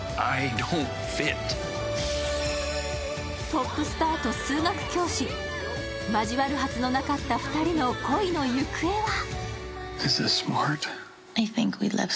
トップスターと数学教師、交わるはずのなかった２人の恋の行方は？